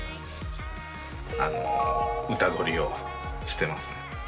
あの歌どりをしてますね。